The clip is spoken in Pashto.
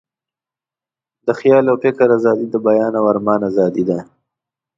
د خیال او فکر آزادي، د بیان او آرمان آزادي ده.